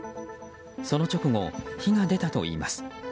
その直後、火が出たといいます。